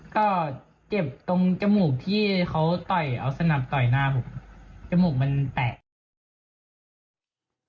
ก็เจ็บตรงจมูกที่เขาต่อยเอาสนับต่อยหน้าผมจมูกมันแตก